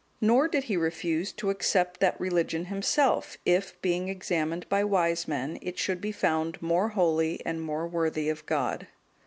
Nor did he refuse to accept that religion himself, if, being examined by wise men, it should be found more holy and more worthy of God.